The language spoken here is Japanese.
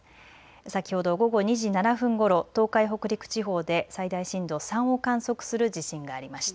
先ほど午後２時７分ごろ東海、北陸地方で最大震度３を観測する地震がありました。